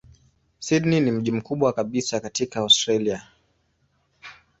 Sydney ni mji mkubwa kabisa katika Australia.